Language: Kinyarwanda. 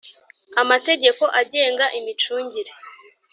Amategeko agenga imicungire